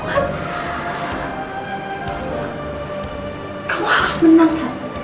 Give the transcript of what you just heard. kamu masih tidak ada sisanya